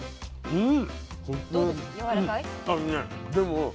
うん。